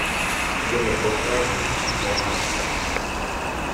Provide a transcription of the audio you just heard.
Mír je konkrétní, ne abstraktní.